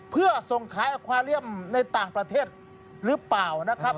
เพื่อส่งขายอควาเลียมในต่างประเทศหรือเปล่านะครับ